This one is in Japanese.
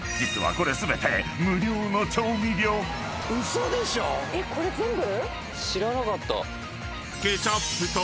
これ全部？